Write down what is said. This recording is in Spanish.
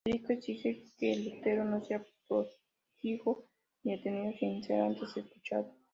Federico exige que Lutero no sea proscrito ni detenido sin ser antes escuchado.